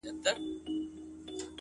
دي روح کي اغښل سوی دومره،